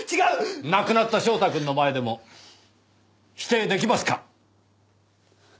亡くなった翔太くんの前でも否定出来ますか？